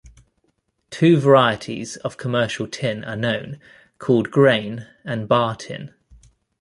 Two varieties of commercial tin are known, called grain and bar-tin.